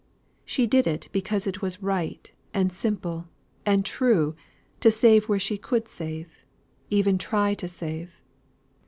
She did it because it was right, and simple, and true to save where she could save; even to try to save.